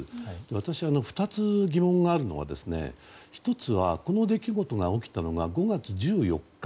私、２つ疑問があるのは１つは、この出来事が起きたのが５月１４日。